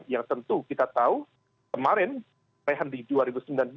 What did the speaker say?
yang tentu kita tahu kemarin rehan di dua ribu sembilan belas